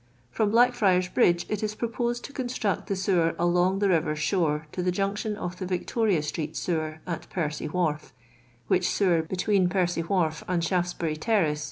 From Bkckfriars Bridge it is proposed to construct the sewer along the river shore to the junction of the Victoria street sewer at Percy wharf ; which sewer be tween Percy wharf and Shaftesbury terrace.